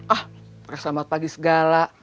ah selamat pagi segala